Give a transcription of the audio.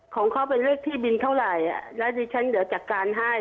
ของเขาเป็นเลขที่บินเท่าไหร่แล้วดิฉันเดี๋ยวจัดการให้